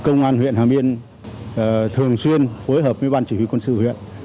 công an huyện hà miên thường xuyên phối hợp với ban chỉ huy quân sự huyện